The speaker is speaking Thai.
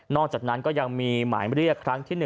อกจากนั้นก็ยังมีหมายเรียกครั้งที่๑